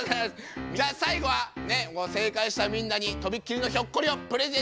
じゃあ最後は正解したみんなに飛びっ切りのひょっこりをプレゼントしよう！